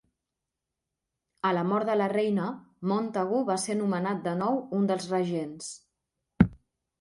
A la mort de la Reina, Montagu va ser nomenat de nou un dels regents.